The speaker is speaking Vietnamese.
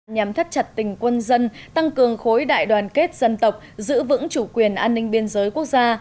nhằm thắt chặt tình quân dân tăng cường khối đại đoàn kết dân tộc giữ vững chủ quyền an ninh biên giới quốc gia